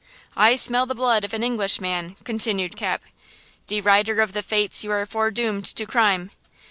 –"'I smell the blood of an Englishman'" –continued Cap. "Derider of the fates, you are foredoomed to crime!"